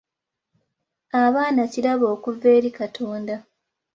Abaana kirabo okuva eri Katonda.